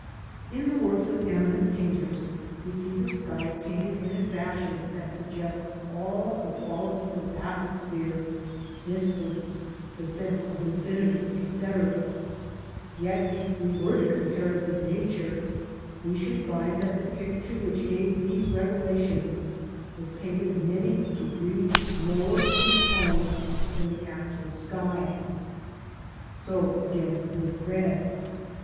In the works of eminent painters we see the sky painted in a fashion that suggests all the qualities of atmosphere, — distance, the sense of infinity, etc.,— yet if we were to compare it with Nature we should find that the picture which gave these revela tions was painted many degrees lower in tone than the actual sky. So again with red.